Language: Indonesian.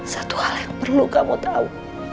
satu hal yang perlu kamu tahu